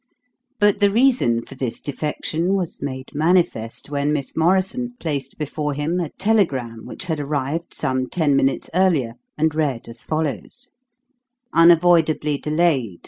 But the reason for this defection was made manifest when Miss Morrison placed before him a telegram which had arrived some ten minutes earlier and read as follows: "Unavoidably delayed.